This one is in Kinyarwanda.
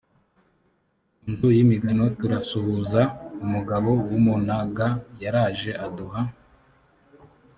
ku nzu y imigano turasuhuza umugabo w umunaga yaraje aduha